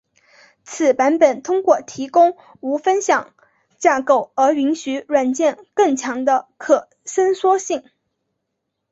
此版本通过提供无分享架构而允许软件更强的可伸缩性。